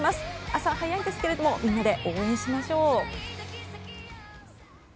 朝早いですけれどみんなで応援しましょう！